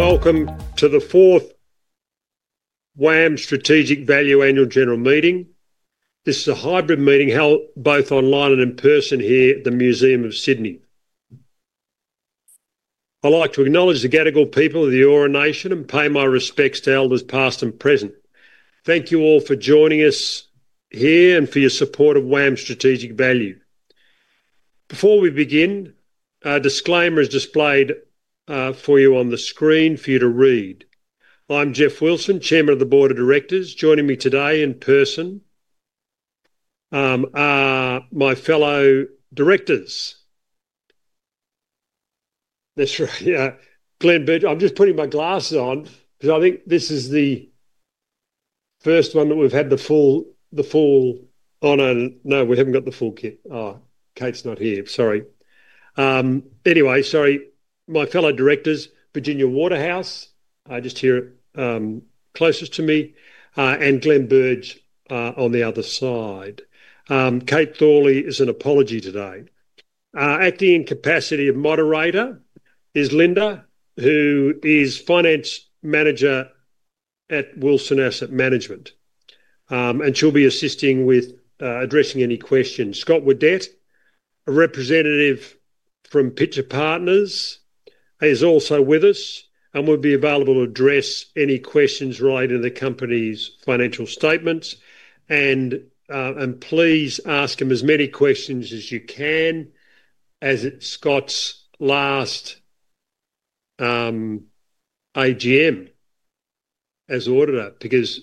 Welcome to the fourth WAM Strategic Value Annual General Meeting. This is a hybrid meeting, held both online and in person here at the Museum of Sydney. I'd like to acknowledge the Gadigal people of the Eora Nation and pay my respects to Elders past and present. Thank you all for joining us here and for your support of WAM Strategic Value. Before we begin, a disclaimer is displayed for you on the screen for you to read. I'm Geoff Wilson, Chairman of the Board of Directors. Joining me today in person are my fellow directors. That's right, yeah. Glenn Burge. I'm just putting my glasses on because I think this is the first one that we've had the full honor. No, we haven't got the full kit. Oh, Kate's not here. Sorry. Anyway, sorry. My fellow directors, Virginia Waterhouse, just here closest to me, and Glenn Burge on the other side. Kate Thorley is an apology today. Acting in capacity of moderator is Linda, who is Finance Manager at Wilson Asset Management, and she'll be assisting with addressing any questions. Scott Whiddett, a representative from Pitcher Partners, is also with us and will be available to address any questions related to the company's financial statements. Please ask him as many questions as you can as Scott's last AGM as auditor because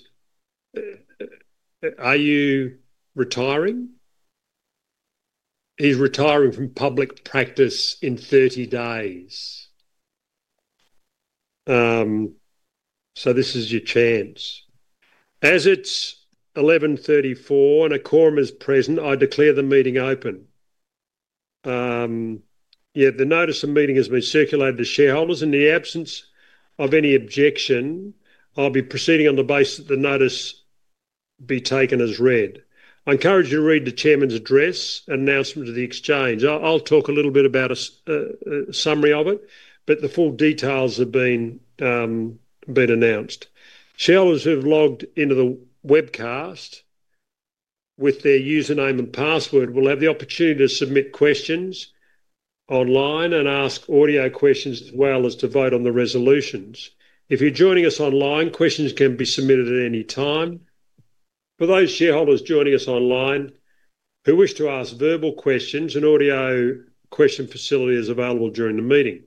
are you retiring? He's retiring from public practice in 30 days. This is your chance. As it's 11:34 and a quorum is present, I declare the meeting open. The notice of meeting has been circulated to shareholders. In the absence of any objection, I'll be proceeding on the basis that the notice be taken as read. I encourage you to read the Chairman's address, announcement of the exchange. I'll talk a little bit about a summary of it, but the full details have been announced. Shareholders who have logged into the webcast with their username and password will have the opportunity to submit questions online and ask audio questions as well as to vote on the resolutions. If you're joining us online, questions can be submitted at any time. For those shareholders joining us online who wish to ask verbal questions, an audio question facility is available during the meeting.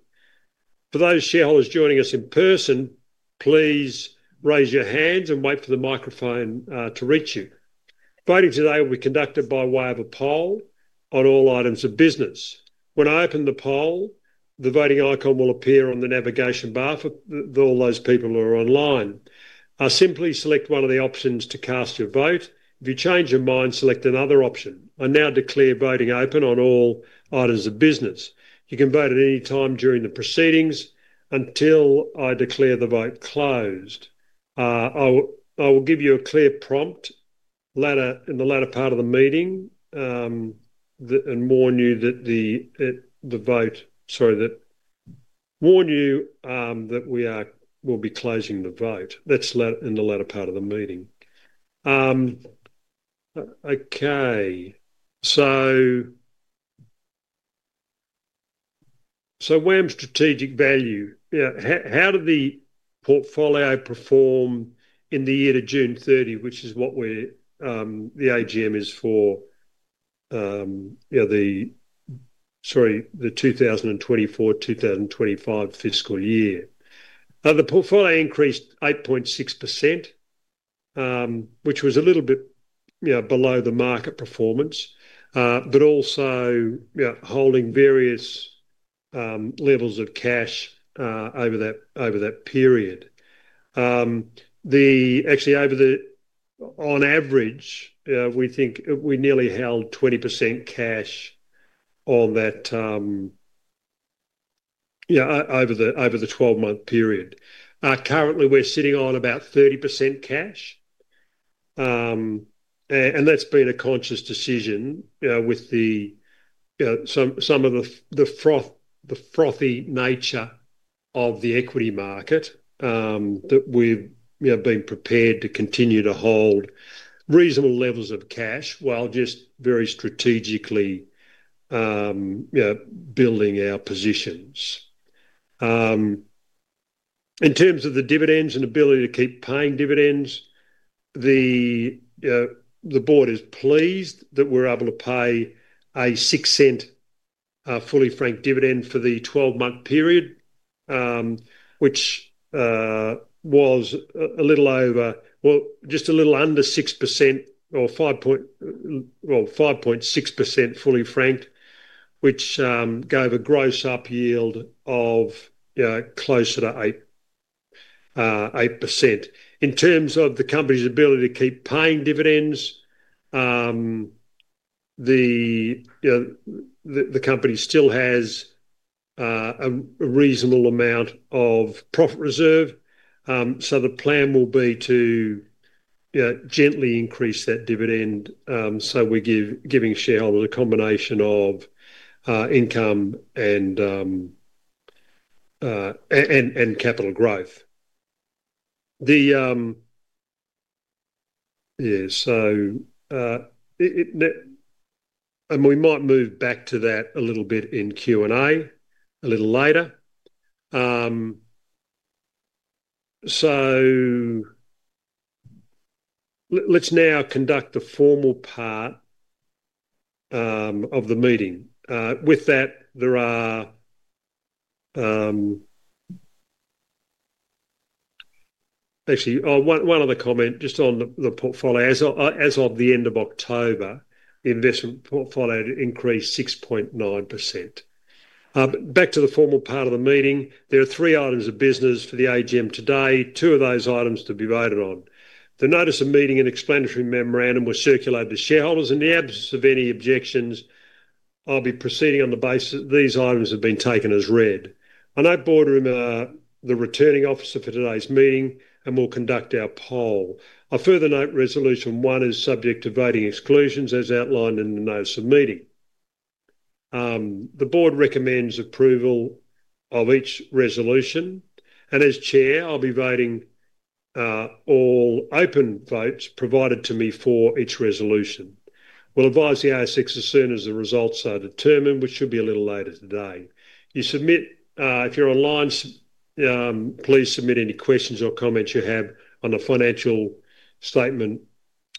For those shareholders joining us in person, please raise your hands and wait for the microphone to reach you. Voting today will be conducted by way of a poll on all items of business. When I open the poll, the voting icon will appear on the navigation bar for all those people who are online. Simply select one of the options to cast your vote. If you change your mind, select another option. I now declare voting open on all items of business. You can vote at any time during the proceedings until I declare the vote closed. I will give you a clear prompt in the latter part of the meeting and warn you that the vote, sorry, warn you that we will be closing the vote. That is in the latter part of the meeting. Okay. WAM Strategic Value, how did the portfolio perform in the year to June 30, which is what the AGM is for? Sorry, the 2024-2025 fiscal year. The portfolio increased 8.6%, which was a little bit below the market performance, but also holding various levels of cash over that period. Actually, on average, we think we nearly held 20% cash on that over the 12-month period. Currently, we're sitting on about 30% cash, and that's been a conscious decision with some of the frothy nature of the equity market that we've been prepared to continue to hold reasonable levels of cash while just very strategically building our positions. In terms of the dividends and ability to keep paying dividends, the board is pleased that we're able to pay a 0.06 fully franked dividend for the 12-month period, which was a little over—well, just a little under 6% or 5.6% fully franked, which gave a gross up yield of closer to 8%. In terms of the company's ability to keep paying dividends, the company still has a reasonable amount of profit reserve, so the plan will be to gently increase that dividend. So we're giving shareholders a combination of income and capital growth. Yeah. We might move back to that a little bit in Q&A a little later. Let's now conduct the formal part of the meeting. With that, there is actually one other comment just on the portfolio. As of the end of October, the investment portfolio increased 6.9%. Back to the formal part of the meeting, there are three items of business for the AGM today, two of those items to be voted on. The notice of meeting and explanatory memorandum were circulated to shareholders. In the absence of any objections, I'll be proceeding on the basis that these items have been taken as read. I note Boardroom the returning officer for today's meeting and will conduct our poll. I further note resolution one is subject to voting exclusions as outlined in the notice of meeting. The board recommends approval of each resolution, and as Chair, I'll be voting all open votes provided to me for each resolution. We'll advise the ASX as soon as the results are determined, which should be a little later today. If you're online, please submit any questions or comments you have on the financial statement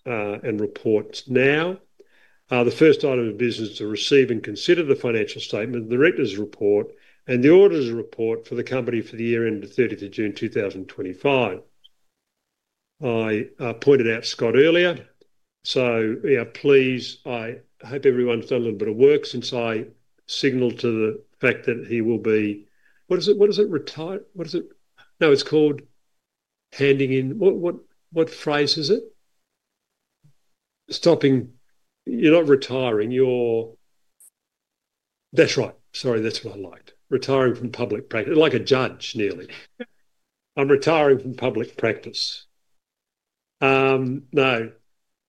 and reports now. The first item of business to receive and consider the financial statement, the Director's report, and the Auditor's report for the company for the year end of 30th of June 2025. I pointed out Scott earlier, so please, I hope everyone's done a little bit of work since I signaled to the fact that he will be—what is it? What is it? What is it? No, it's called handing in—what phrase is it? Stopping—you're not retiring. That's right. Sorry, that's what I liked. Retiring from public practice, like a judge nearly. I'm retiring from public practice. No.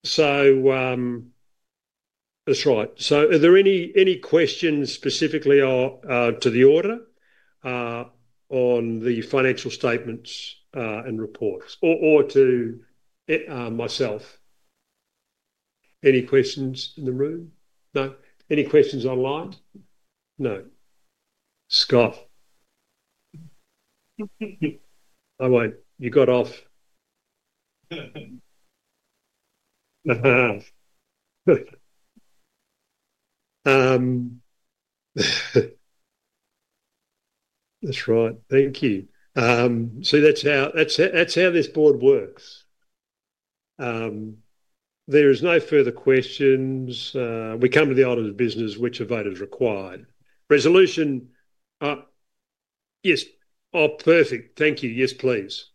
So that's right. Are there any questions specifically to the auditor on the financial statements and reports or to myself? Any questions in the room? No? Any questions online? No? Scott. Oh, wait. You got off. That's right. Thank you. That's how this board works. There are no further questions. We come to the item of business, which are voters required. Resolution. Yes. Oh, perfect. Thank you. Yes, please.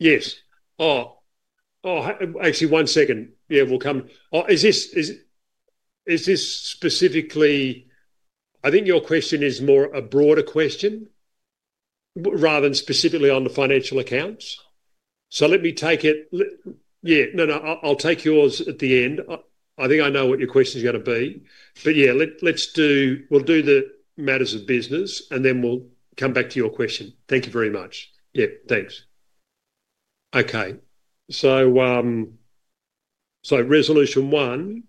Yes. Oh, actually, one second. Yeah, we'll come. Is this specifically—I think your question is more a broader question rather than specifically on the financial accounts. Let me take it—yeah. No, no. I'll take yours at the end. I think I know what your question's going to be. We'll do the matters of business, and then we'll come back to your question. Thank you very much. Yeah. Thanks. Okay. Resolution one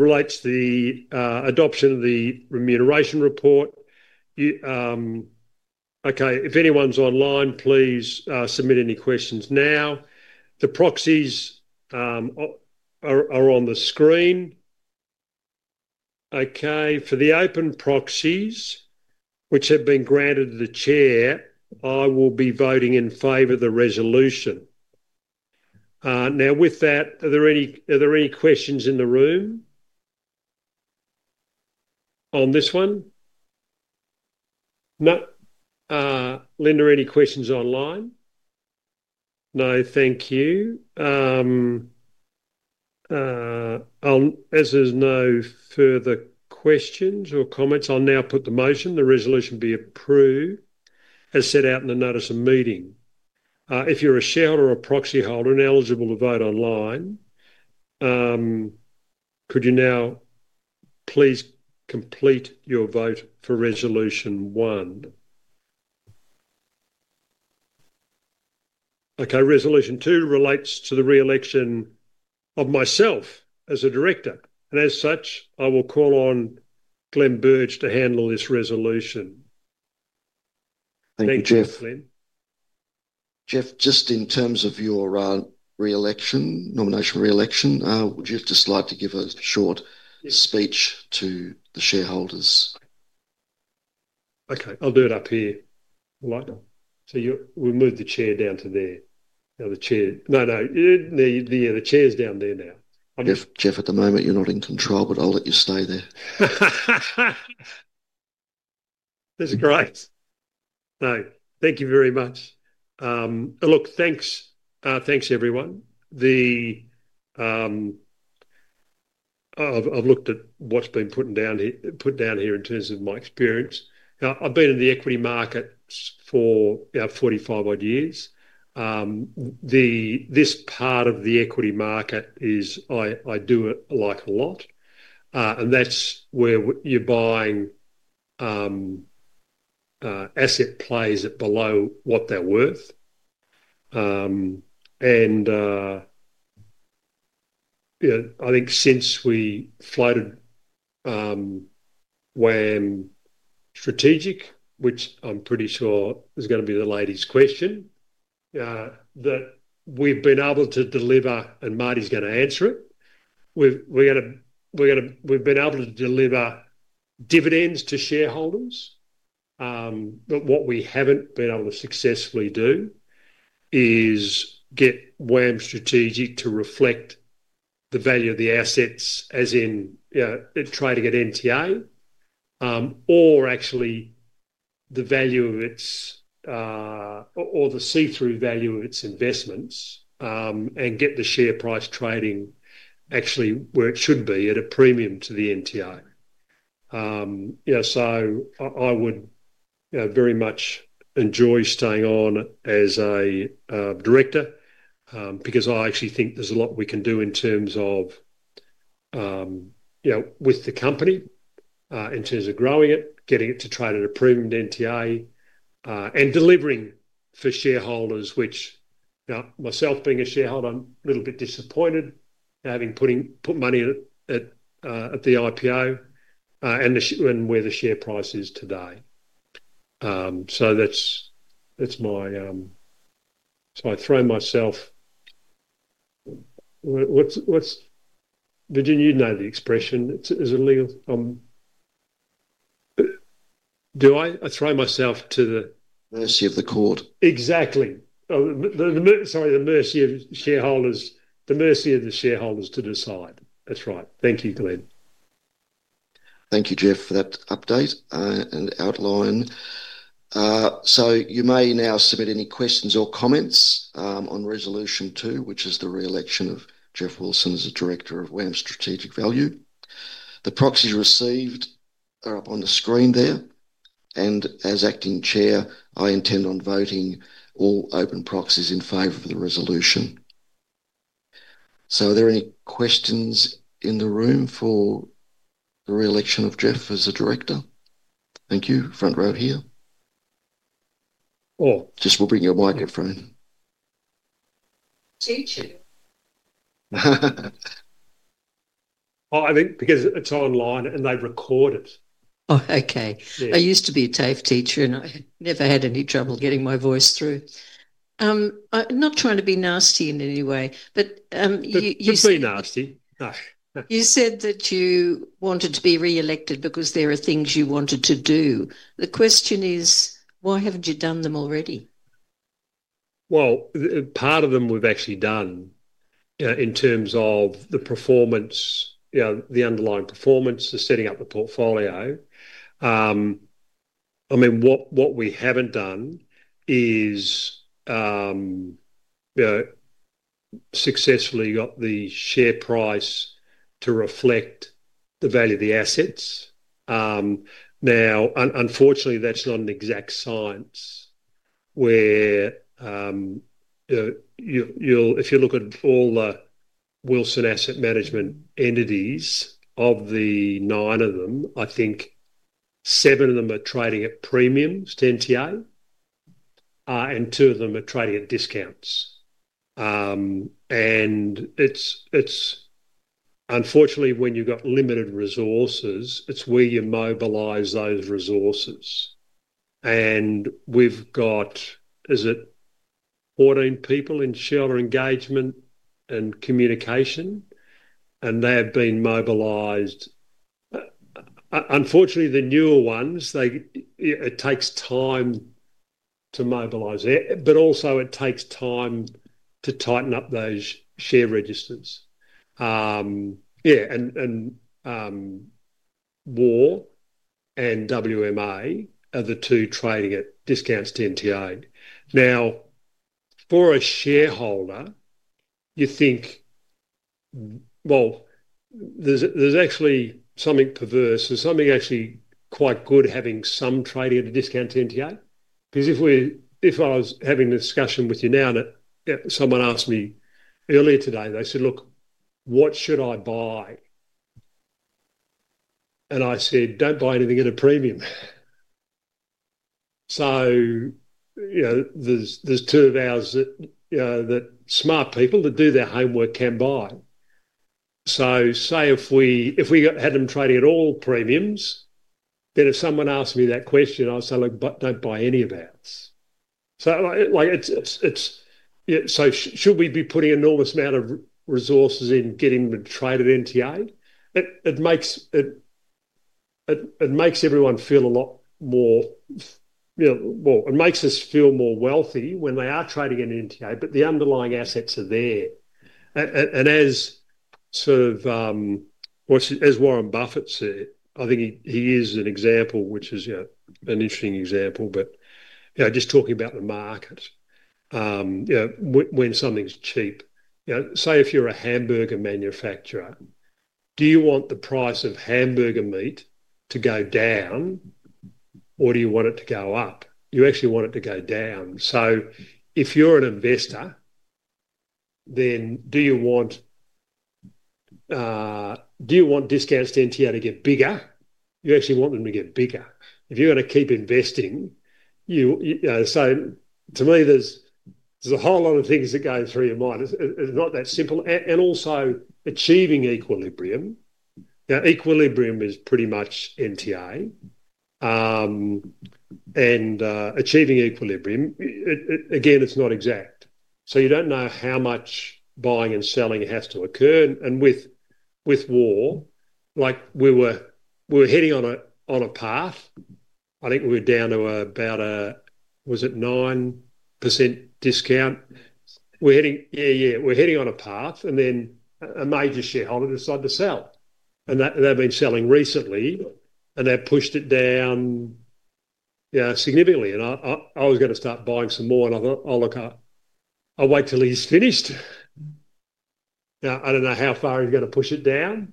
relates to the adoption of the remuneration report. Okay. If anyone's online, please submit any questions now. The proxies are on the screen. Okay. For the open proxies, which have been granted to the chair, I will be voting in favor of the resolution. Now, with that, are there any questions in the room on this one? No. Linda, any questions online? No. Thank you. As there's no further questions or comments, I'll now put the motion, the resolution be approved, as set out in the notice of meeting. If you're a shareholder or a proxy holder and eligible to vote online, could you now please complete your vote for resolution one? Okay. resolution two relates to the re-election of myself as a director. As such, I will call on Glenn Burge to handle this resolution. Thank you, Geoff. Geoff, just in terms of your nomination re-election, would you just like to give a short speech to the shareholders? Okay. I'll do it up here. We'll move the chair down to there. No, no. Yeah, the chair's down there now. Geoff, at the moment, you're not in control, but I'll let you stay there. That's great. No. Thank you very much. Look, thanks. Thanks, everyone. I've looked at what's been put down here in terms of my experience. I've been in the equity markets for 45-odd years. This part of the equity market is I do it a lot. And that's where you're buying asset plays at below what they're worth. I think since we floated WAM Strategic, which I'm pretty sure is going to be the lady's question, that we've been able to deliver—and Marty's going to answer it—we've been able to deliver dividends to shareholders. What we haven't been able to successfully do is get WAM Strategic to reflect the value of the assets, as in trading at NTA, or actually the value of its—or the see-through value of its investments and get the share price trading actually where it should be at a premium to the NTA. I would very much enjoy staying on as a director because I actually think there is a lot we can do with the company in terms of growing it, getting it to trade at a premium to NTA, and delivering for shareholders, which, myself being a shareholder, I am a little bit disappointed having put money at the IPO and where the share price is today. That is my—so I throw myself—did you know the expression? Do I throw myself to the? Mercy of the court. Exactly. Sorry, the mercy of shareholders. The mercy of the shareholders to decide. That's right. Thank you, Glenn. Thank you, Geoff, for that update and outline. You may now submit any questions or comments on resolution two, which is the re-election of Geoff Wilson as a director of WAM Strategic Value. The proxies received are up on the screen there. As acting chair, I intend on voting all open proxies in favor of the resolution. Are there any questions in the room for the re-election of Geoff as a director? Thank you. Front row here. Just we'll bring your microphone. Teacher. I think because it's online and they record it. Oh, okay. I used to be a TFT tuner, and I never had any trouble getting my voice through. I'm not trying to be nasty in any way, but you said. You can be nasty. You said that you wanted to be re-elected because there are things you wanted to do. The question is, why haven't you done them already? Part of them we've actually done in terms of the performance, the underlying performance, the setting up the portfolio. I mean, what we haven't done is successfully got the share price to reflect the value of the assets. Now, unfortunately, that's not an exact science where if you look at all the Wilson Asset Management entities, of the nine of them, I think seven of them are trading at premiums to NTA, and two of them are trading at discounts. Unfortunately, when you've got limited resources, it's where you mobilize those resources. We've got, is it, 14 people in shareholder engagement and communication, and they have been mobilized. Unfortunately, the newer ones, it takes time to mobilize, but also it takes time to tighten up those share registers. Yeah. WAR and WAM are the two trading at discounts to NTA. Now, for a shareholder, you think, well, there is actually something perverse or something actually quite good having some trading at a discount to NTA? Because if I was having a discussion with you now and someone asked me earlier today, they said, "Look, what should I buy?" and I said, "Do not buy anything at a premium." There are two of ours that smart people that do their homework can buy. Say if we had them trading at all premiums, then if someone asked me that question, I would say, "Look, do not buy any of ours." Should we be putting an enormous amount of resources in getting them to trade at NTA? It makes everyone feel a lot more—it makes us feel more wealthy when they are trading at NTA, but the underlying assets are there. As Warren Buffett said, I think he is an example, which is an interesting example, but just talking about the market, when something's cheap, say if you're a hamburger manufacturer, do you want the price of hamburger meat to go down, or do you want it to go up? You actually want it to go down. If you're an investor, then do you want—do you want discounts to NTA to get bigger? You actually want them to get bigger. If you're going to keep investing, to me, there's a whole lot of things that go through your mind. It's not that simple. Also, achieving equilibrium. Now, equilibrium is pretty much NTA. Achieving equilibrium, again, it's not exact. You don't know how much buying and selling has to occur. With WAM Strategic Value, we were heading on a path. I think we were down to about a 9% discount. Yeah, yeah. We're heading on a path, and then a major shareholder decided to sell. They've been selling recently, and they've pushed it down significantly. I was going to start buying some more, and I thought, "I'll wait till he's finished." I don't know how far he's going to push it down.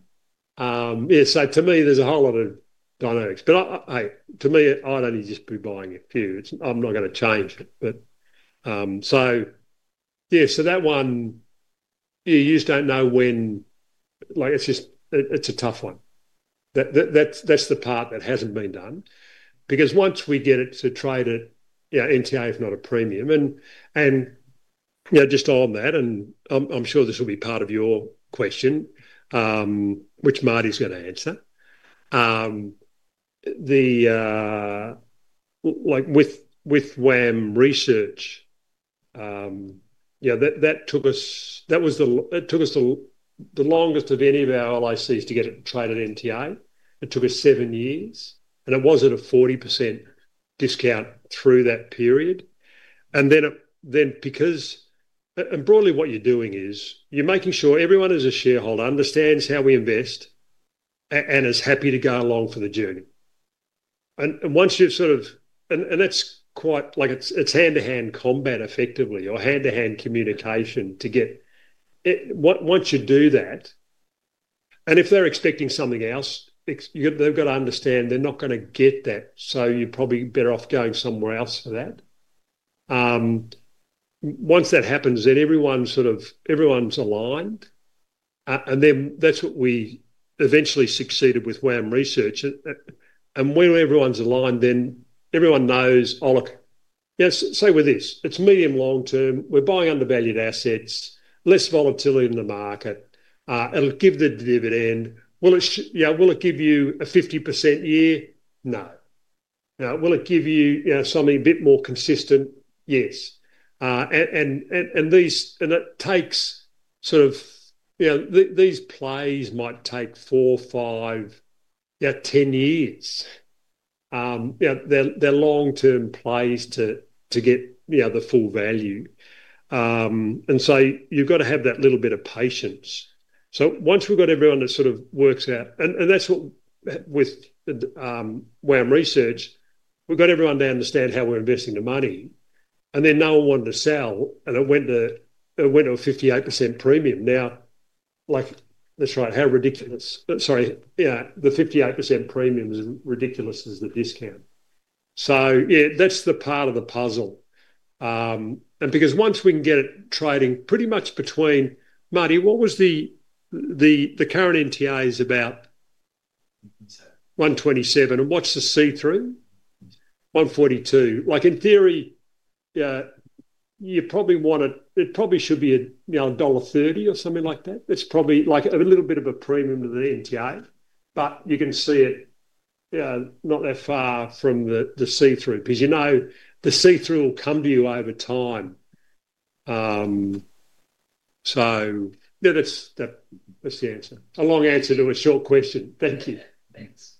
Yeah. To me, there's a whole lot of dynamics. To me, I'd only just be buying a few. I'm not going to change it. Yeah, that one, you just don't know when it's a tough one. That's the part that hasn't been done. Because once we get it to trade at NTA, if not a premium—and just on that, and I'm sure this will be part of your question, which Martyn's going to answer. With WAM Research, that took us—it took us the longest of any of our LICs to get it traded at NTA. It took us seven years, and it was at a 40% discount through that period. Because—and broadly, what you're doing is you're making sure everyone who's a shareholder understands how we invest and is happy to go along for the journey. Once you've sort of—and that's quite like it's hand-to-hand combat, effectively, or hand-to-hand communication to get—once you do that, and if they're expecting something else, they've got to understand they're not going to get that, so you're probably better off going somewhere else for that. Once that happens, then everyone's aligned. That's what we eventually succeeded with WAM Research. When everyone's aligned, then everyone knows, "Oh, look, say with this, it's medium-long term. We're buying undervalued assets, less volatility in the market. It'll give the dividend. Will it give you a 50% year? No. Will it give you something a bit more consistent? Yes. It takes sort of these plays might take four, five, 10 years. They're long-term plays to get the full value. You have to have that little bit of patience. Once we've got everyone that sort of works out—and that's what with WAM Research, we've got everyone to understand how we're investing the money. Then no one wanted to sell, and it went to a 58% premium. That's right. How ridiculous. Sorry. The 58% premium is as ridiculous as the discount. Yeah, that's the part of the puzzle. Once we can get it trading pretty much between—Martyn, what was the current NTA's about? 127. What's the see-through? 142. In theory, it probably should be dollar 1.30 or something like that. It's probably a little bit of a premium to the NTA, but you can see it not that far from the see-through. Because you know the see-through will come to you over time. Yeah, that's the answer. A long answer to a short question. Thank you. Thanks.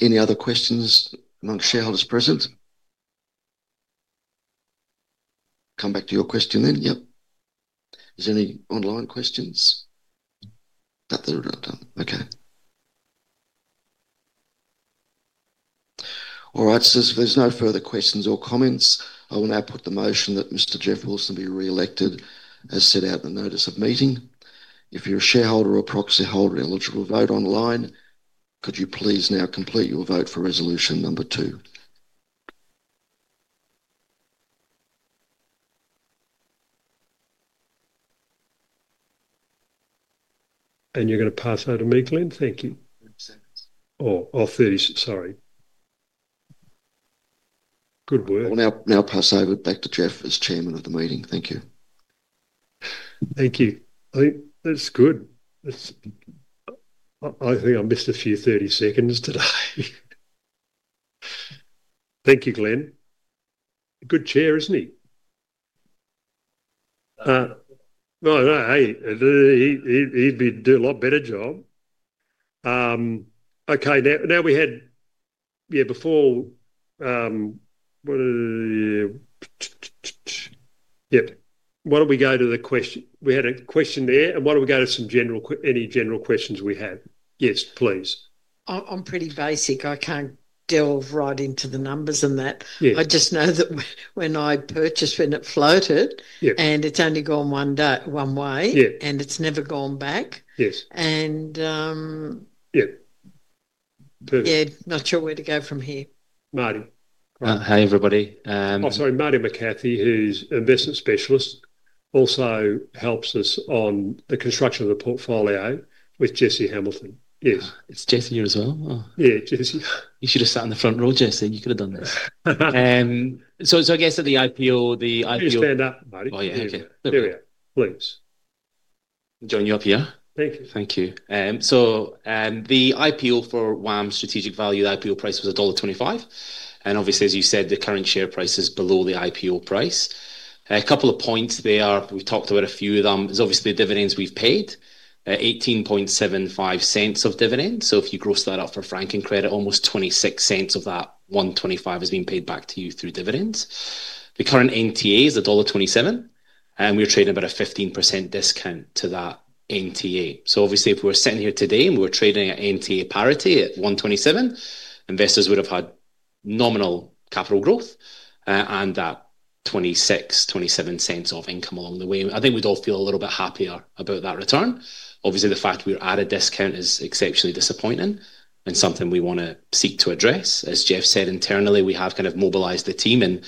Any other questions amongst shareholders present? Come back to your question then. Yep. Is there any online questions? Okay. All right. If there's no further questions or comments, I will now put the motion that Mr. Geoff Wilson be re-elected as set out in the notice of meeting. If you're a shareholder or proxy holder, eligible to vote online, could you please now complete your vote for resolution number two? You're going to pass over to me, Glenn? Thank you. 30 seconds. Oh, 30. Sorry. Good work. I'll now pass over back to Geoff as Chairman of the meeting. Thank you. Thank you. I think that's good. I think I missed a few 30 seconds today. Thank you, Glenn. Good chair, isn't he? No, no. He'd be a lot better job. Okay. Now, before—yep. Why don't we go to the question? We had a question there. And why don't we go to any general questions we have? Yes, please. I'm pretty basic. I can't delve right into the numbers and that. I just know that when I purchased, when it floated, it's only gone one way, and it's never gone back. Yeah, not sure where to go from here. Martyn. Hi, everybody. I'm sorry. Martyn McCathie, who's Investment Specialist, also helps us on the construction of the portfolio with Jesse Hamilton. Yes. It's Jesse here as well. Yeah, Jesse. You should have sat in the front row, Jesse. You could have done this.I guess at the IPO, the IPO. Can you stand up, Martyn? Oh, yeah. Okay. Here we are. Please. Join you up here. Thank you. Thank you. The IPO for WAM Strategic Value, the IPO price was dollar 1.25. Obviously, as you said, the current share price is below the IPO price. A couple of points there, we've talked about a few of them. It's obviously dividends we've paid, 0.1875 of dividends. If you gross that out for franking credit, almost 0.26 of that 1.25 has been paid back to you through dividends. The current NTA is dollar 1.27, and we're trading about a 15% discount to that NTA. Obviously, if we were sitting here today and we were trading at NTA parity at 1.27, investors would have had nominal capital growth and that 0.26-0.27 of income along the way. I think we'd all feel a little bit happier about that return. Obviously, the fact we're at a discount is exceptionally disappointing and something we want to seek to address. As Geoff said, internally, we have kind of mobilized the team, and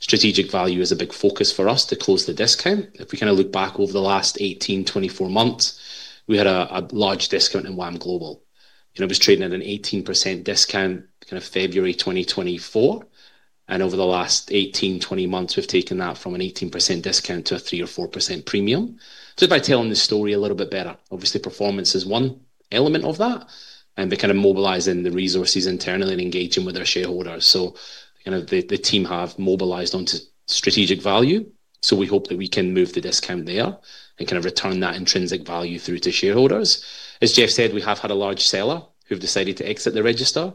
strategic value is a big focus for us to close the discount. If we kind of look back over the last 18-24 months, we had a large discount in WAM Global. It was traded at an 18% discount kind of February 2024. Over the last 18-20 months, we've taken that from an 18% discount to a 3-4% premium. By telling the story a little bit better, obviously, performance is one element of that. They're kind of mobilizing the resources internally and engaging with their shareholders. Kind of the team have mobilized onto strategic value. We hope that we can move the discount there and kind of return that intrinsic value through to shareholders. As Geoff said, we have had a large seller who has decided to exit the register.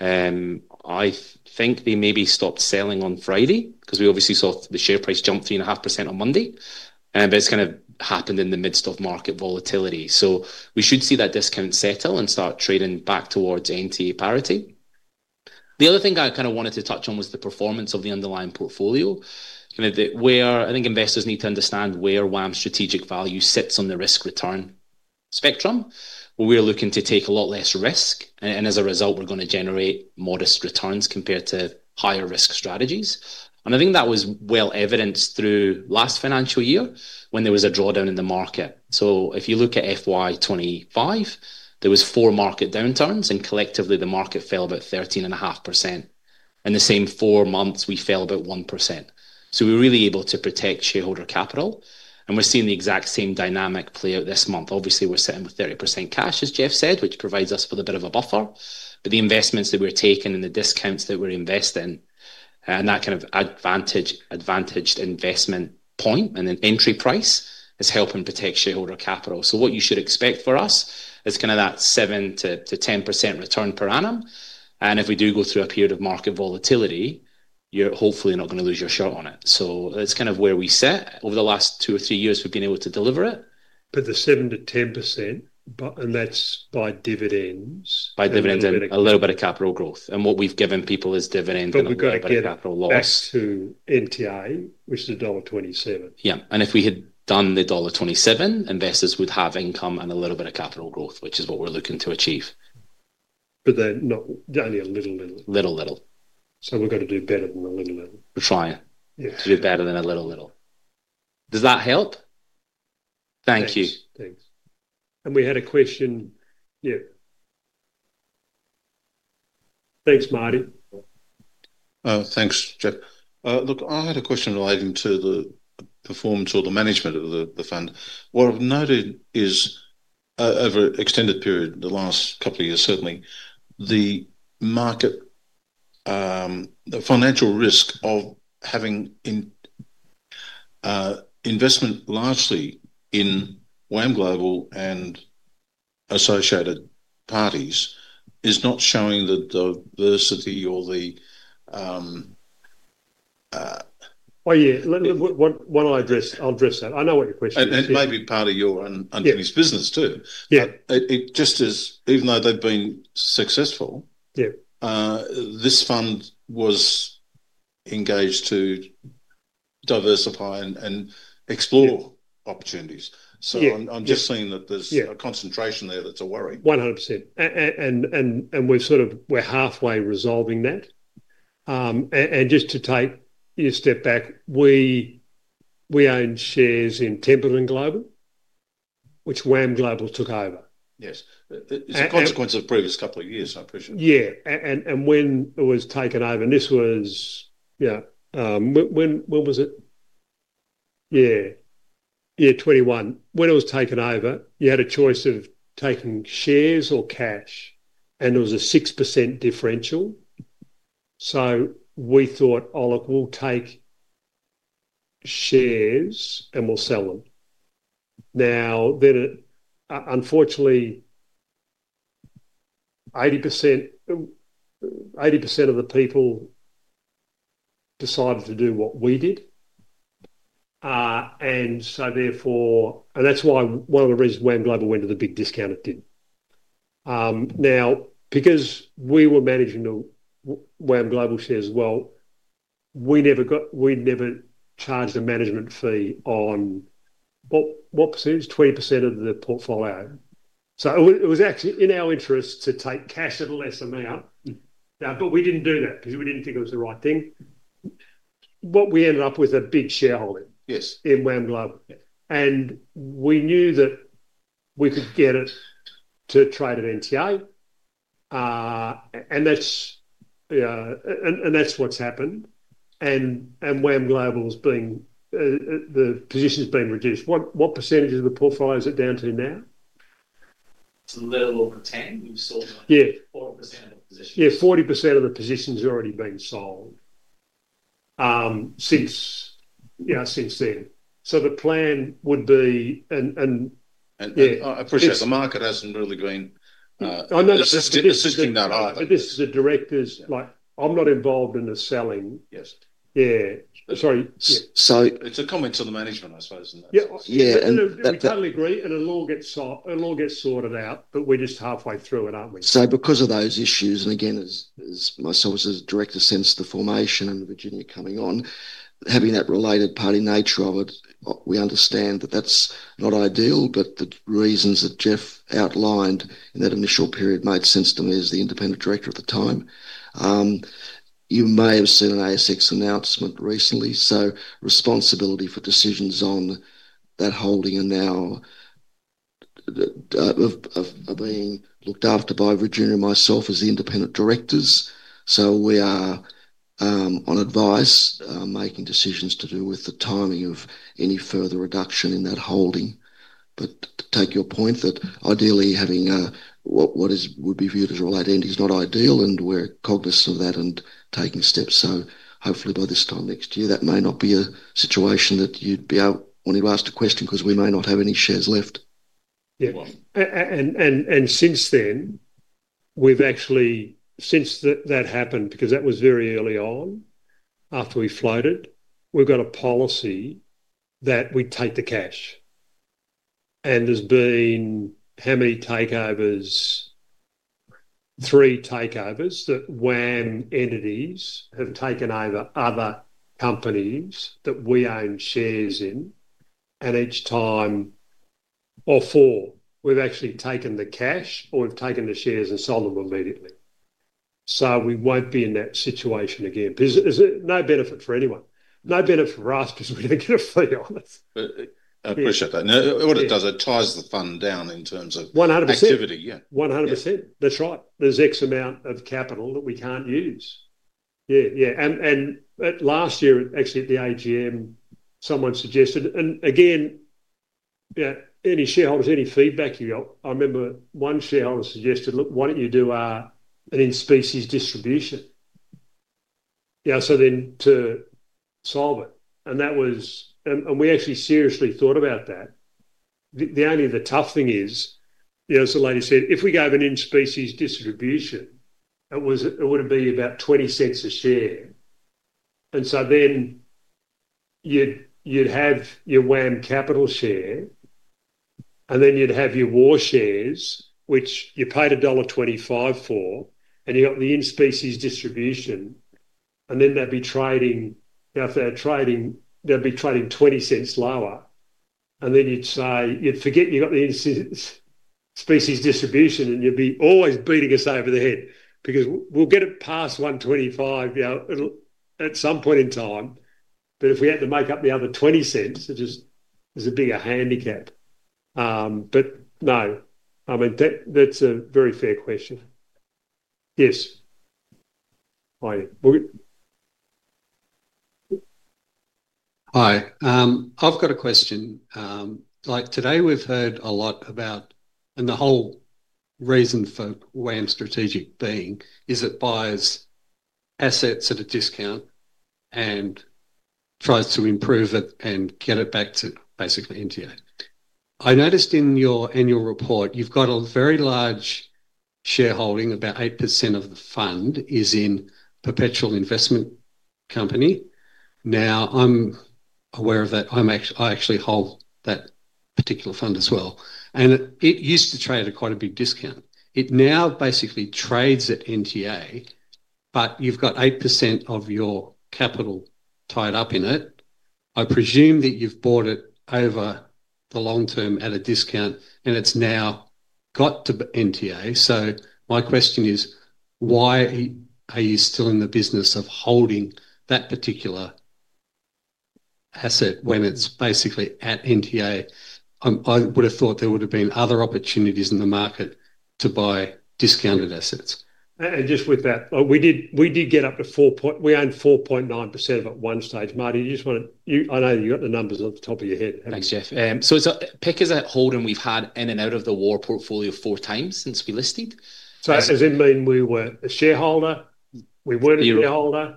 I think they maybe stopped selling on Friday because we obviously saw the share price jump 3.5% on Monday. It has kind of happened in the midst of market volatility. We should see that discount settle and start trading back towards NTA parity. The other thing I kind of wanted to touch on was the performance of the underlying portfolio. I think investors need to understand where WAM Strategic Value sits on the risk-return spectrum. We are looking to take a lot less risk, and as a result, we are going to generate modest returns compared to higher risk strategies. I think that was well evidenced through last financial year when there was a drawdown in the market. If you look at FY2025, there were four market downturns, and collectively, the market fell about 13.5%. In the same four months, we fell about 1%. We are really able to protect shareholder capital. We are seeing the exact same dynamic play out this month. Obviously, we are sitting with 30% cash, as Geoff said, which provides us with a bit of a buffer. The investments that we are taking and the discounts that we are investing and that kind of advantaged investment point and entry price is helping protect shareholder capital. What you should expect for us is kind of that 7%-10% return per annum. If we do go through a period of market volatility, you are hopefully not going to lose your shot on it. That's kind of where we sit. Over the last two or three years, we've been able to deliver it. The 7%-10%, and that's by dividends. By dividends and a little bit of capital growth. What we've given people is dividends and a little bit of capital loss. We have got to get back to NTA, which is dollar 1.27. Yeah. If we had done the dollar 1.27, investors would have income and a little bit of capital growth, which is what we're looking to achieve. But then not only a little. Little little. So we're going to do better than a little. We're trying to do better than a little. Does that help? Thank you. Thanks. We had a question. Yeah. Thanks, Martyn. Thanks, Geoff. Look, I had a question relating to the performance or the management of the fund. What I've noted is, over an extended period, the last couple of years, certainly, the market, the financial risk of having investment largely in WAM Global and associated parties is not showing the diversity or the. Yeah. What I'll address, I'll address that. I know what your question is. It may be part of your unfinished business too. Even though they've been successful, this fund was engaged to diversify and explore opportunities. I'm just seeing that there's a concentration there that's a worry. 100%. We're halfway resolving that. Just to take your step back, we own shares in Templeton Global, which WAM Global took over. Yes. It's a consequence of previous couple of years, I appreciate it. Yeah. And when it was taken over, and this was, yeah, when was it? Yeah. Yeah, 2021. When it was taken over, you had a choice of taking shares or cash, and there was a 6% differential. So we thought, "Oh, look, we'll take shares and we'll sell them." Now, unfortunately, 80% of the people decided to do what we did. And so therefore, and that's why one of the reasons WAM Global went to the big discount it did. Now, because we were managing WAM Global shares well, we never charged a management fee on, what percentage? 20% of the portfolio. So it was actually in our interests to take cash at a lesser amount. But we didn't do that because we didn't think it was the right thing. What we ended up with was a big shareholding in WAM Global. We knew that we could get it to trade at NTA. That is what has happened. WAM Global's position is being reduced. What percentage of the portfolio is it down to now? It's a little over 10. We've sold 40% of the positions. Yeah. 40% of the positions have already been sold since then. The plan would be an. Yeah. I appreciate it. The market hasn't really been. I know. Assisting that either. This is a director's, like, "I'm not involved in the selling. Yes. Yeah. Sorry. It's a comment on the management, I suppose, isn't it? Yeah. We totally agree. The law gets sorted out, but we're just halfway through it, aren't we? Because of those issues, and again, as my source as director since the formation and Virginia coming on, having that related party nature of it, we understand that that's not ideal. The reasons that Geoff outlined in that initial period made sense to me as the independent director at the time. You may have seen an ASX announcement recently. Responsibility for decisions on that holding are now being looked after by Virginia and myself as independent directors. We are on advice making decisions to do with the timing of any further reduction in that holding. To take your point that ideally having what would be viewed as a related entity is not ideal, we're cognizant of that and taking steps. Hopefully by this time next year, that may not be a situation that you'd be able, when you've asked a question, because we may not have any shares left. Yeah. Since then, we've actually, since that happened, because that was very early on after we floated, we've got a policy that we take the cash. There's been how many takeovers? Three takeovers that WAM entities have taken over other companies that we own shares in. Each time, or four, we've actually taken the cash or we've taken the shares and sold them immediately. We won't be in that situation again. There's no benefit for anyone. No benefit for us because we don't get a fee on it. I appreciate that. What it does, it ties the fund down in terms of. 100%. Activity. Yeah. 100%. That's right. There's X amount of capital that we can't use. Yeah. Yeah. Last year, actually, at the AGM, someone suggested, and again, any shareholders, any feedback you got. I remember one shareholder suggested, "Look, why don't you do an in-specie distribution?" To solve it. We actually seriously thought about that. The only tough thing is, as the lady said, if we gave an in-specie distribution, it would be about 0.20 a share. You'd have your WAM Capital share, and then you'd have your WAM Strategic Value shares, which you paid dollar 1.25 for, and you got the in-specie distribution, and then they'd be trading. If they're trading, they'd be trading 0.20 lower. You'd forget you got the in-specie distribution, and you'd be always beating us over the head because we'll get it past 1.25 at some point in time. If we had to make up the other 20 cents, it's a bigger handicap. No, I mean, that's a very fair question. Yes. Hi. Hi. I've got a question. Today, we've heard a lot about, and the whole reason for WAM Strategic Value being is it buys assets at a discount and tries to improve it and get it back to basically NTA. I noticed in your annual report, you've got a very large shareholding. About 8% of the fund is in Perpetual Equity Investment Company. Now, I'm aware of that. I actually hold that particular fund as well. And it used to trade at quite a big discount. It now basically trades at NTA, but you've got 8% of your capital tied up in it. I presume that you've bought it over the long term at a discount, and it's now got to NTA. So my question is, why are you still in the business of holding that particular asset when it's basically at NTA? I would have thought there would have been other opportunities in the market to buy discounted assets. We did get up to four. We owned 4.9% of it at one stage. Martyn, you just want to—I know you've got the numbers at the top of your head. Thanks, Geoff. Pengana has a hold, and we've had an out-of-the-core portfolio four times since we listed. Does it mean we were a shareholder? We weren't a shareholder?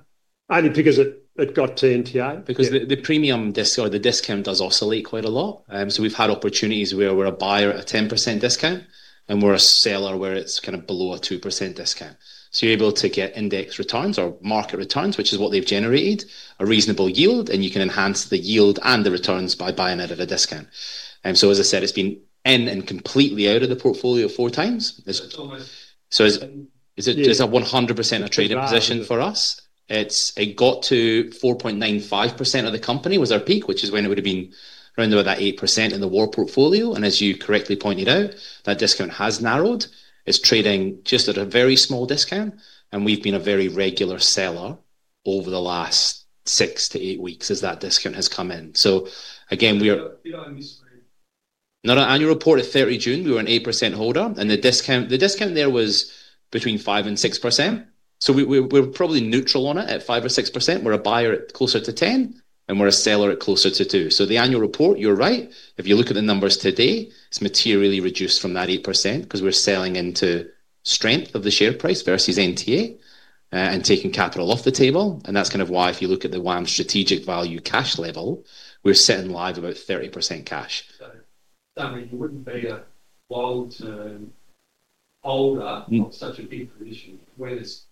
Only because it got to NTA? Because the premium or the discount does oscillate quite a lot. We have had opportunities where we are a buyer at a 10% discount, and we are a seller where it is kind of below a 2% discount. You are able to get index returns or market returns, which is what they have generated, a reasonable yield, and you can enhance the yield and the returns by buying it at a discount. As I said, it has been in and completely out of the portfolio four times. That's almost— Is it a 100% of trading position for us? It got to 4.95% of the company was our peak, which is when it would have been around about that 8% in the WAM portfolio. And as you correctly pointed out, that discount has narrowed. It is trading just at a very small discount, and we have been a very regular seller over the last six to eight weeks as that discount has come in. Again, we are— We don't miss for you. Not an annual report at 30 June. We were an 8% holder, and the discount there was between 5-6%. We are probably neutral on it at 5%-6%. We are a buyer at closer to 10%, and we are a seller at closer to 2%. The annual report, you are right. If you look at the numbers today, it is materially reduced from that 8% because we are selling into strength of the share price versus NTA and taking capital off the table. That is kind of why, if you look at the WAM Strategic Value cash level, we are sitting live about 30% cash. You wouldn't be a wildholder of such a big position when it's at—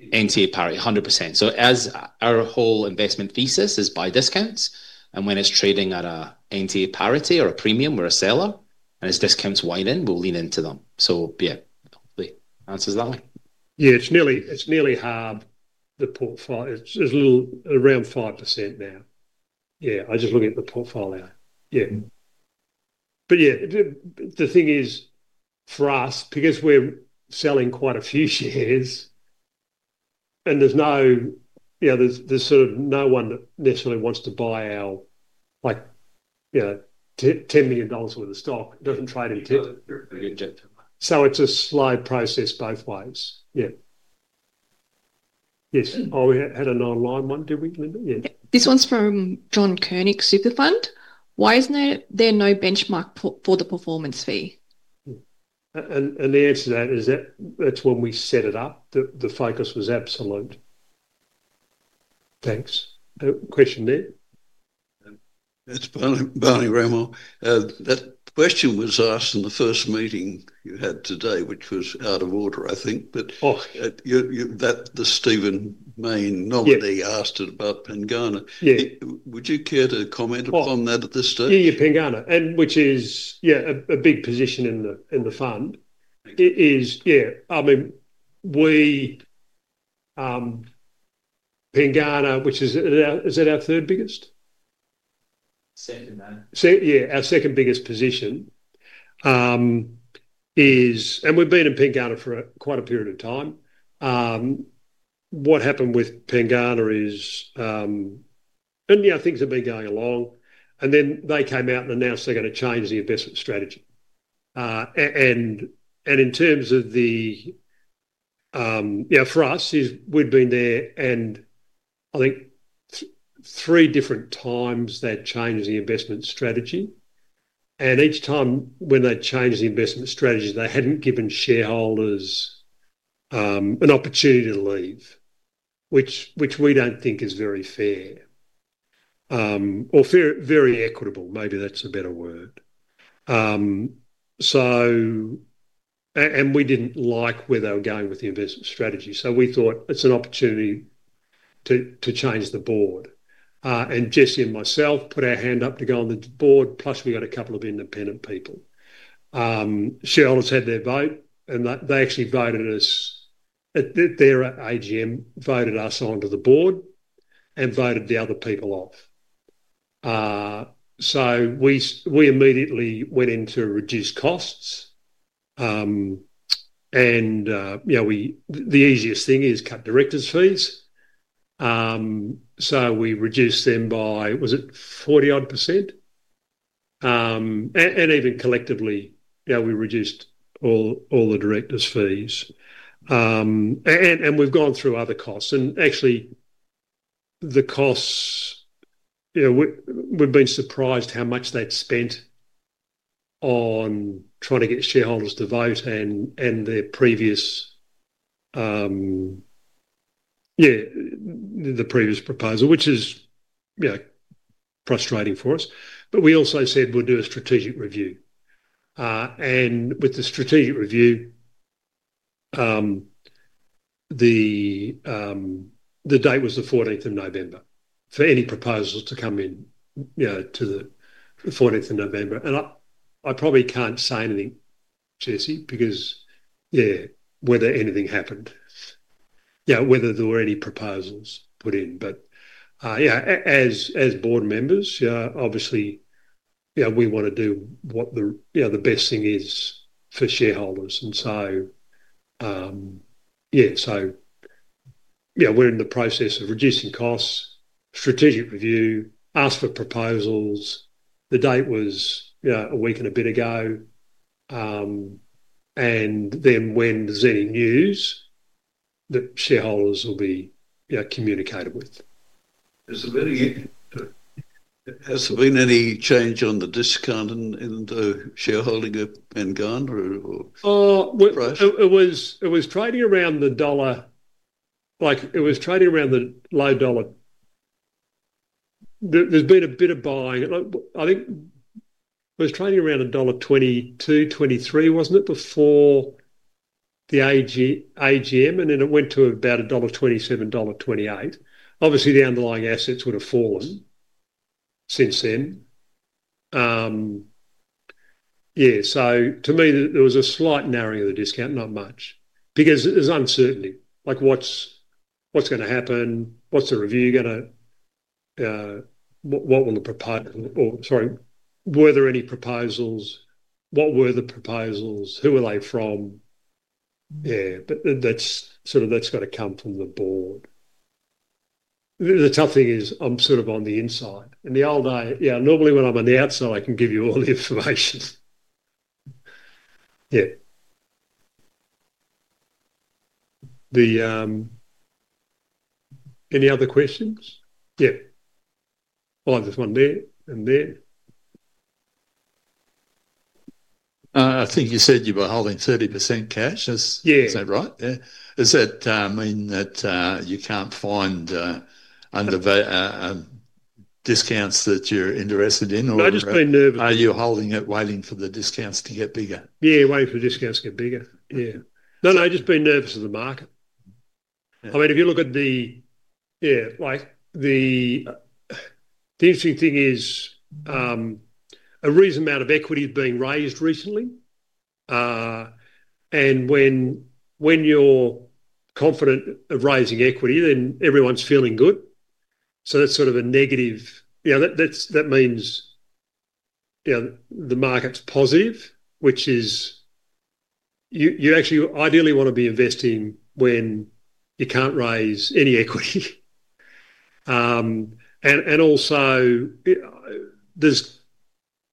NTA parity, 100%. As our whole investment thesis is buy discounts, and when it's trading at an NTA parity or a premium, we're a seller, and as discounts widen in, we'll lean into them. Yeah, hopefully answers that one. Yeah. It is nearly half the portfolio. It is around 5% now. Yeah. I just look at the portfolio. Yeah. The thing is for us, because we are selling quite a few shares, and there is no—yeah, there is sort of no one that necessarily wants to buy our 10 million dollars worth of stock. It does not trade in 10. It's a slow process both ways. Yeah. Yes. Oh, we had an online one, did we? Yeah. This one's from Jon Koenig, Superfund. Why is there no benchmark for the performance fee? The answer to that is that's when we set it up, the focus was absolute. Thanks. Question there? That's Burney Romer. That question was asked in the first meeting you had today, which was out of order, I think. But the Stephen Mayne nominee asked it about Pengana. Would you care to comment upon that at this stage? Yeah, Pengana, which is, yeah, a big position in the fund. Yeah. I mean, Pengana, which is—is that our third biggest? Second, though. Yeah. Our second biggest position is—and we've been in Pengana for quite a period of time. What happened with Pengana is, and things have been going along, and then they came out and announced they're going to change the investment strategy. In terms of the—yeah, for us, we've been there, and I think three different times they've changed the investment strategy. Each time when they changed the investment strategy, they hadn't given shareholders an opportunity to leave, which we don't think is very fair or very equitable. Maybe that's a better word. We didn't like where they were going with the investment strategy. We thought it's an opportunity to change the board. Jesse and myself put our hand up to go on the board. Plus, we got a couple of independent people. Shareholders had their vote, and they actually voted us—their AGM voted us onto the board and voted the other people off. We immediately went in to reduce costs. The easiest thing is cut director's fees. We reduced them by, was it 40-odd %? Even collectively, we reduced all the director's fees. We have gone through other costs. Actually, the costs, we have been surprised how much they spent on trying to get shareholders to vote and their previous—the previous proposal, which is frustrating for us. We also said we will do a strategic review. With the strategic review, the date was the 14th of November for any proposals to come in to the 14th of November. I probably cannot say anything, Jesse, because, yeah, whether anything happened, whether there were any proposals put in. Yeah, as board members, obviously, we want to do what the best thing is for shareholders. Yeah, we're in the process of reducing costs, strategic review, ask for proposals. The date was a week and a bit ago. When there's any news, the shareholders will be communicated with. Has there been any change on the discount in the shareholding at Pengana or price? It was trading around the dollar. It was trading around the low dollar. There's been a bit of buying. I think it was trading around AUD 1.22, dollar 1.23, wasn't it, before the AGM, and then it went to about $1.27, $1.28. Obviously, the underlying assets would have fallen since then. Yeah. To me, there was a slight narrowing of the discount, not much, because there's uncertainty. What's going to happen? What's the review going to—what will the proposal—sorry, were there any proposals? What were the proposals? Who are they from? Yeah. That sort of—that's got to come from the board. The tough thing is I'm sort of on the inside. The old day—yeah, normally when I'm on the outside, I can give you all the information. Yeah. Any other questions? Yeah. Oh, there's one there and there. I think you said you were holding 30% cash. Is that right? Yeah. Does that mean that you can't find discounts that you're interested in, or? No, just being nervous. Are you holding it, waiting for the discounts to get bigger? Yeah, waiting for the discounts to get bigger. Yeah. No, no, just being nervous of the market. I mean, if you look at the—yeah, the interesting thing is a reasonable amount of equity is being raised recently. When you're confident of raising equity, then everyone's feeling good. That means the market's positive, which is you actually ideally want to be investing when you can't raise any equity. Also,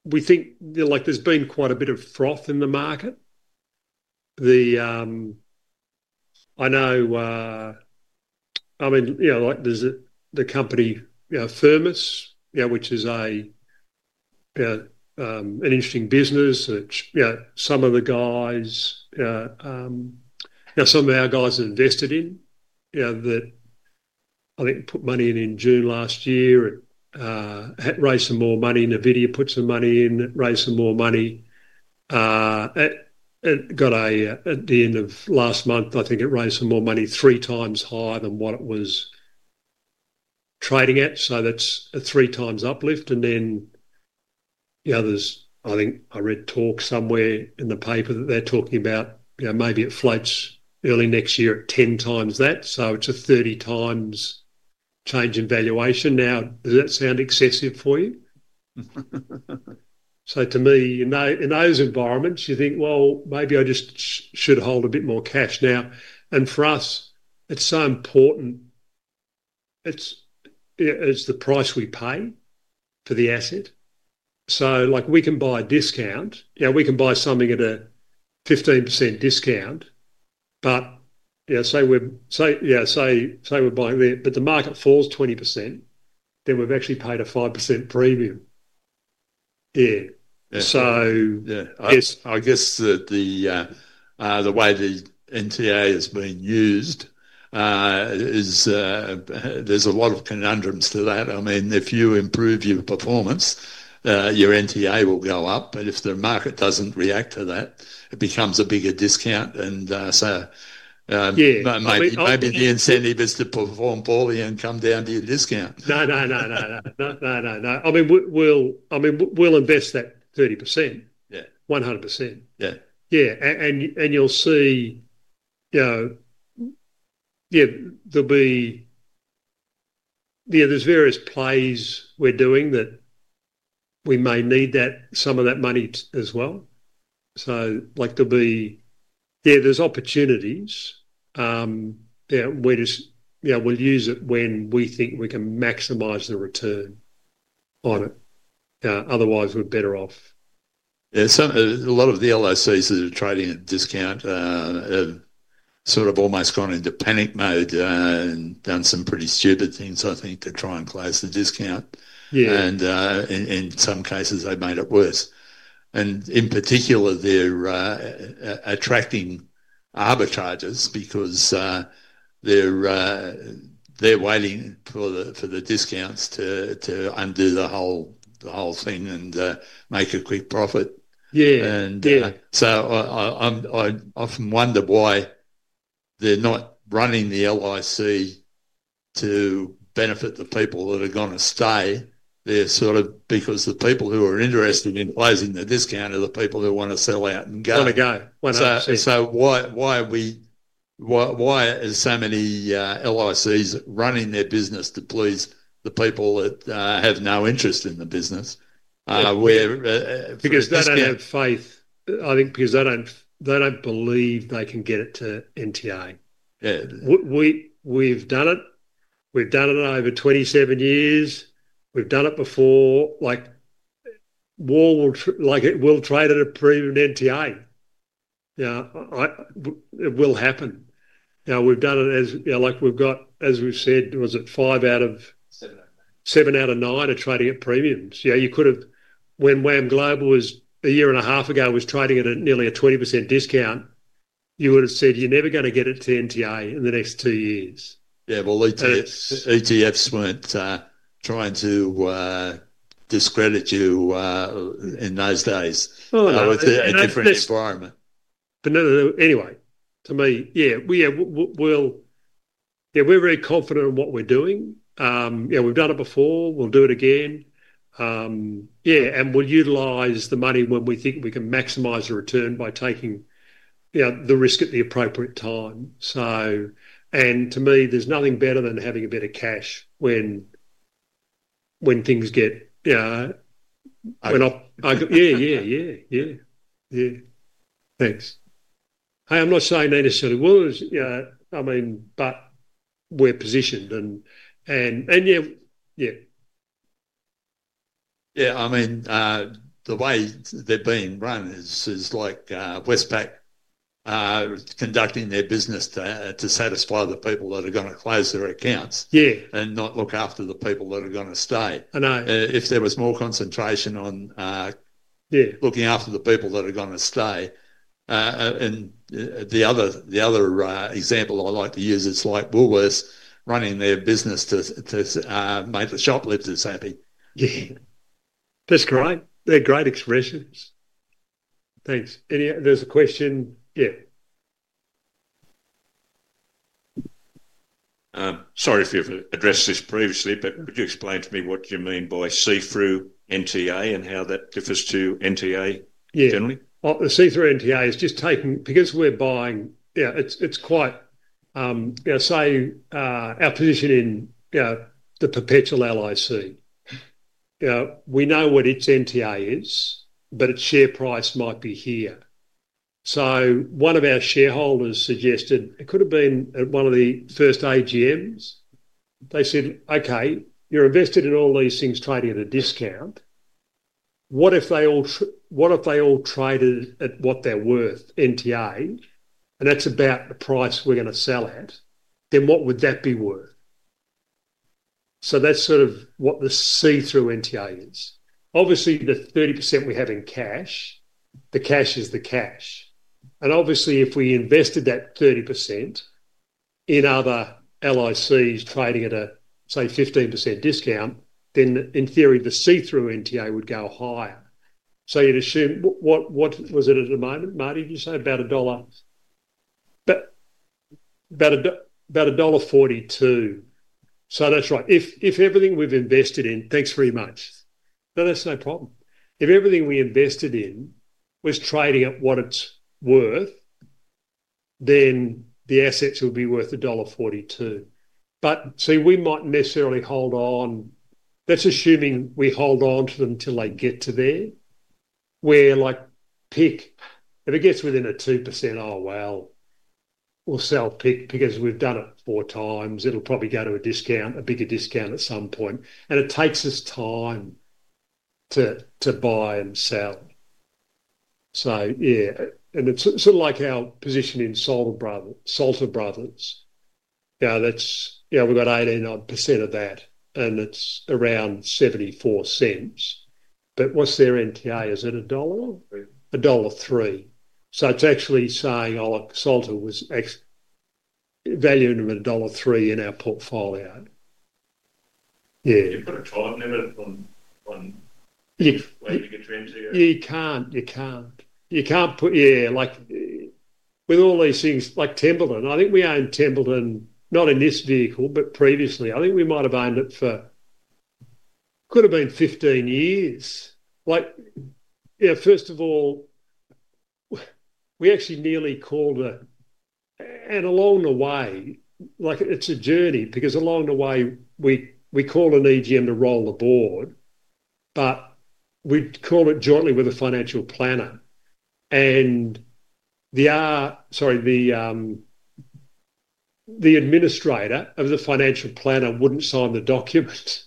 we think there's been quite a bit of froth in the market. I mean, there's the company Pengana, which is an interesting business. Some of our guys have invested in that. I think put money in in June last year. It raised some more money. Nvidia put some money in. It raised some more money. It got a—at the end of last month, I think it raised some more money three times higher than what it was trading at. That is a three-times uplift. I think I read talk somewhere in the paper that they are talking about maybe it floats early next year at 10 times that. That is a 30x change in valuation. Now, does that sound excessive for you? To me, in those environments, you think, "Well, maybe I just should hold a bit more cash now." For us, it is so important. It is the price we pay for the asset. We can buy a discount. We can buy something at a 15% discount. Say we are buying there, but the market falls 20%, then we have actually paid a 5% premium. Yes. I guess the way the NTA has been used is there's a lot of conundrums to that. I mean, if you improve your performance, your NTA will go up. If the market does not react to that, it becomes a bigger discount. Maybe the incentive is to perform poorly and come down to your discount. No, no, no, no. I mean, we'll invest that 30%, 100%. Yeah. You'll see there'll be, yeah, there's various plays we're doing that we may need some of that money as well. There'll be, yeah, there's opportunities where we'll use it when we think we can maximize the return on it. Otherwise, we're better off. Yeah. A lot of the LICs that are trading at discount have sort of almost gone into panic mode and done some pretty stupid things, I think, to try and close the discount. In some cases, they've made it worse. In particular, they're attracting arbitrages because they're waiting for the discounts to undo the whole thing and make a quick profit. I often wonder why they're not running the LIC to benefit the people that are going to stay. They're sort of because the people who are interested in closing the discount are the people who want to sell out and go. Want to go. Why are so many LICs running their business to please the people that have no interest in the business? Because they don't have faith. I think because they don't believe they can get it to NTA. We've done it. We've done it over 27 years. We've done it before. It will trade at a premium NTA. It will happen. We've done it as we've got, as we've said, was it five out of? Seven out of nine. Seven out of nine are trading at premiums. Yeah. You could have, when WAM Global was a year and a half ago, was trading at nearly a 20% discount, you would have said, "You're never going to get it to NTA in the next two years. Yeah. ETFs were not trying to discredit you in those days. It was a different environment. Anyway, to me, yeah, we're very confident in what we're doing. We've done it before. We'll do it again. Yeah. We'll utilize the money when we think we can maximize the return by taking the risk at the appropriate time. To me, there's nothing better than having a bit of cash when things get, yeah. Thanks. I'm not saying Nina Sutter Woods, I mean, but we're positioned. And yeah. Yeah. I mean, the way they've been run is like Westpac conducting their business to satisfy the people that are going to close their accounts and not look after the people that are going to stay. If there was more concentration on looking after the people that are going to stay. The other example I like to use is like Woolworths running their business to make the shoplifters happy. That's great. They're great expressions. Thanks. There's a question. Yeah. Sorry if you've addressed this previously, but could you explain to me what you mean by see-through NTA and how that differs to NTA generally? Yeah. The see-through NTA is just taking, because we're buying, it's quite—yeah, say our position in the Perpetual LIC. We know what its NTA is, but its share price might be here. One of our shareholders suggested, it could have been at one of the first AGMs, they said, "Okay, you're invested in all these things trading at a discount. What if they all traded at what they're worth, NTA? And that's about the price we're going to sell at. Then what would that be worth?" That is sort of what the see-through NTA is. Obviously, the 30% we have in cash, the cash is the cash. Obviously, if we invested that 30% in other LICs trading at a, say, 15% discount, then in theory, the see-through NTA would go higher. You'd assume, what was it at the moment, Marty? Did you say about a dollar? About AUD 1.42. That is right. If everything we have invested in—thanks very much. No, that is no problem. If everything we invested in was trading at what it is worth, then the assets would be worth dollar 1.42. We might not necessarily hold on. That is assuming we hold on to them until they get to there, where PIC, if it gets within a 2%, oh well, we will sell PIC because we have done it four times. It will probably go to a discount, a bigger discount at some point. It takes us time to buy and sell. Yeah. It is sort of like our position in Salter Brothers. We have got 89% of that, and it is around 0.74. What is their NTA? Is it AUD 1.03? It is actually saying Salter was valued at dollar 1.03 in our portfolio. Yeah. You put a time limit on waiting to get your NTA? You can't. You can't put, yeah. With all these things, like Templeton, I think we owned Templeton, not in this vehicle, but previously. I think we might have owned it for, could have been 15 years. Yeah. First of all, we actually nearly called a—and along the way, it's a journey because along the way, we call an AGM to roll the board, but we'd call it jointly with a financial planner. The administrator of the financial planner wouldn't sign the document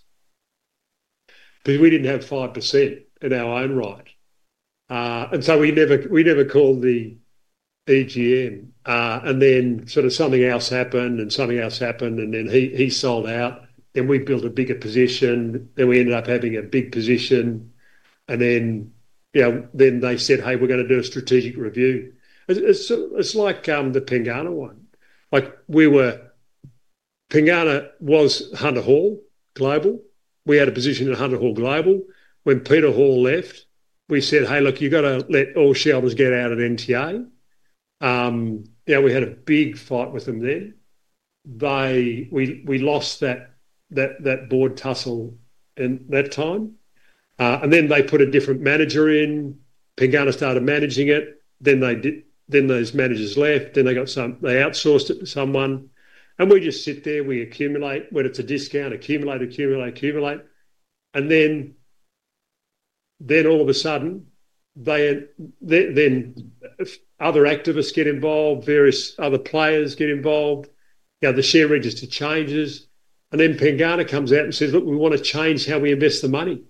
because we didn't have 5% in our own right. We never called the AGM. Something else happened, and something else happened, and then he sold out. We built a bigger position. We ended up having a big position. They said, "Hey, we're going to do a strategic review." It's like the Pengana one. Pengana was Hunter Hall Global. We had a position at Hunter Hall Global. When Peter Hall left, we said, "Hey, look, you've got to let all shareholders get out of NTA." Yeah. We had a big fight with them then. We lost that board tussle in that time. They put a different manager in. Pengana started managing it. Then those managers left. They outsourced it to someone. We just sit there. We accumulate, whether it's a discount, accumulate, accumulate, accumulate. All of a sudden, other activists get involved, various other players get involved. The share register changes. Pengana comes out and says, "Look, we want to change how we invest the money."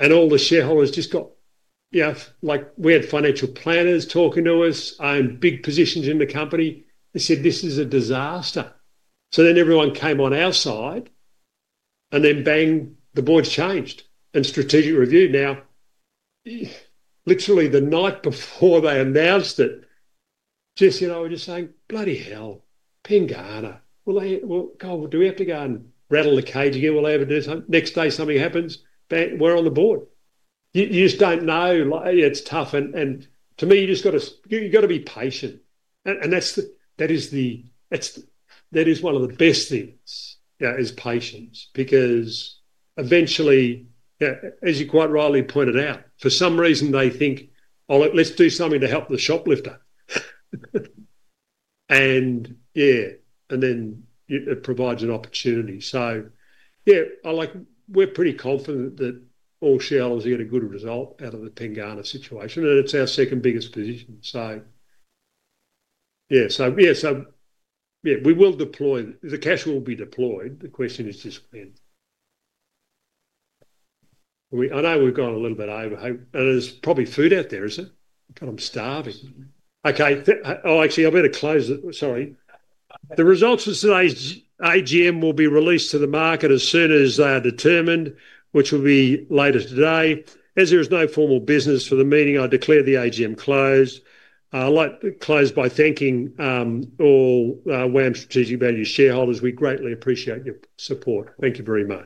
All the shareholders just got—we had financial planners talking to us, big positions in the company. They said, "This is a disaster." Then everyone came on our side. Bang, the board's changed. Strategic review now, literally the night before they announced it, we were just saying, "Bloody hell, Pengana." God, do we have to go and rattle the cage again? Will they ever do something? Next day, something happens. We're on the board. You just don't know. It's tough. To me, you just got to—you've got to be patient. That is one of the best things, is patience. Because eventually, as you quite rightly pointed out, for some reason, they think, "Oh, let's do something to help the shoplifter." Yeah. Then it provides an opportunity. Yeah, we're pretty confident that all shareholders are getting a good result out of the Pengana situation. It's our second biggest position. Yeah. Yeah, we will deploy. The cash will be deployed. The question is just when. I know we've gone a little bit over. And there's probably food out there, is there? God, I'm starving. Okay. Oh, actually, I better close it. Sorry. The results of today's AGM will be released to the market as soon as they are determined, which will be later today. As there is no formal business for the meeting, I declare the AGM closed. I'd like to close by thanking all WAM Strategic Value shareholders. We greatly appreciate your support. Thank you very much.